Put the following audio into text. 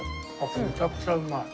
めちゃくちゃうまい。